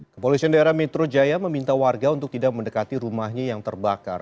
kepolisian daerah metro jaya meminta warga untuk tidak mendekati rumahnya yang terbakar